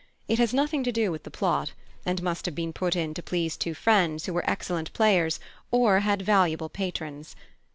It has nothing to do with the plot, and must have been put in to please two friends who were excellent players or had valuable patrons.